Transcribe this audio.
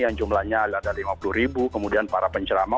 yang jumlahnya ada lima puluh ribu kemudian para pencerama